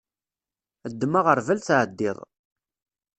Ddem aɣerbal tɛeddiḍ.